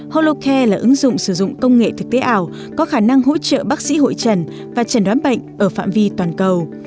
holloca là ứng dụng sử dụng công nghệ thực tế ảo có khả năng hỗ trợ bác sĩ hội trần và trần đoán bệnh ở phạm vi toàn cầu